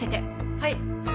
はい。